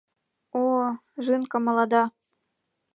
О, жинка молода!..